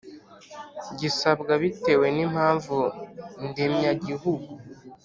gisabwa bitewe n impamvu ndemyagihugu